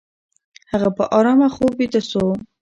هغه په آرامه خوب ویده شو.